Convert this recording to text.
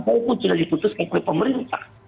maupun sudah diputuskan oleh pemerintah